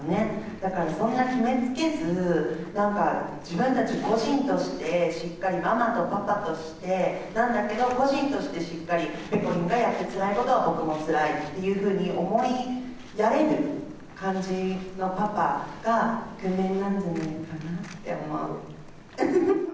だから、そんな決めつけず、なんか自分たち個人としてしっかりママとパパとして、なんだけど、個人としてしっかり、ぺこりんがやってつらいことは僕もつらいっていうふうに思いやれる感じのパパがイクメンなんじゃないかなって思う。